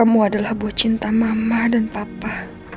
kamu adalah buah cinta mama dan papa